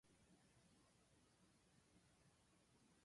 今日はすごく寒いね